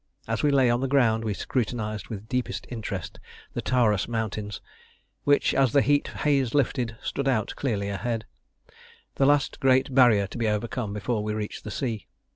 As we lay on the ground we scrutinised with deepest interest the Taurus Mountains, which, as the heat haze lifted, stood out clearly ahead the last great barrier to be overcome before we reached the sea.